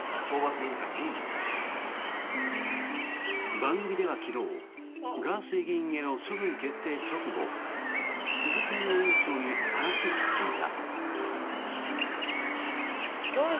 番組では昨日ガーシー議員への処分決定直後鈴木宗男委員長に話を聞いた。